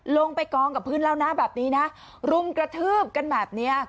ลงไปกองกับพื้นแล้วนะแบบนี้นะรุมกระทืบกันแบบเนี้ย